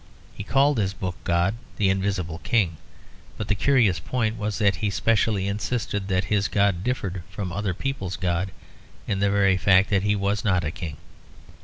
He called his book God, the Invisible King; but the curious point was that he specially insisted that his God differed from other people's God in the very fact that he was not a king.